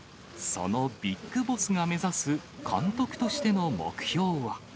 そのビッグボスが目指す監督としての目標は。